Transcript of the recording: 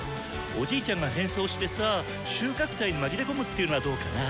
おじいちゃんが変装してさあ収穫祭に紛れ込むっていうのはどうかな？